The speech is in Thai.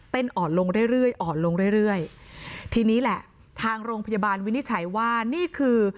เป็นอ่อนลงเรื่อยอ่อนลงเรื่อยทีนี้แหละทางโรงพยาบาลวินิจฉัยว่านี่คือ